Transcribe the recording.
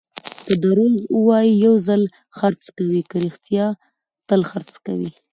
که دروغ ووایې، یو ځل خرڅ کوې؛ که رښتیا، تل خرڅ کوې.